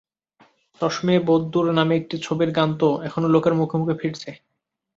চশমে বদ্দুর নামে একটি ছবির গান তো এখনো লোকের মুখে মুখে ফিরছে।